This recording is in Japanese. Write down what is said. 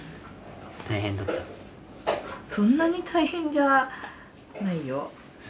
そんなに大変じゃないよ。